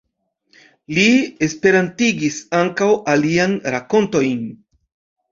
Li esperantigis ankaŭ aliajn rakontojn.